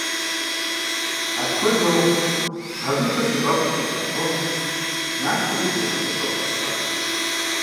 Апхуэдэу, а выхэр щигъэхъуу щыта къуэм «Нахъуэ и вы егъэзыпӏэ» фӏащащ.